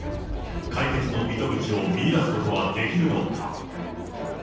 解決の糸口を見いだすことはできるのか。